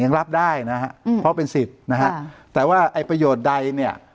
ยังรับได้นะฮะเพราะเป็นสิทธิ์นะฮะแต่ว่าไอ้ประโยชน์ใดเนี่ย